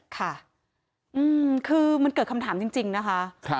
ค่ะคือมันเกิดคำถามจริงนะคะ